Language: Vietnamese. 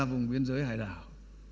vùng biên giới hải đảo